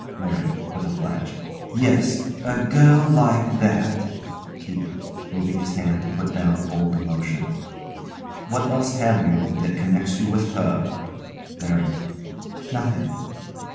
LARRY. [With a flash] Yes, a girl like that. KEITH. [Moving his hand to put down old emotion] What else have you that connects you with her? LARRY. Nothing.